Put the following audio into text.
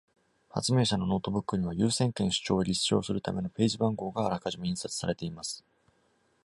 発明者のノートブックには、優先権主張を立証するためのページ番号があらかじめ印刷されています。